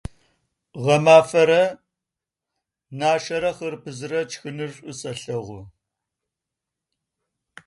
Гъэмафэрэ нашэрэ хъырбыдзырэ сшхыныр шӏу сэлъэгъу.